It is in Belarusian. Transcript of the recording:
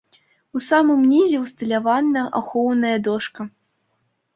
У самым нізе ўсталявана ахоўная дошка.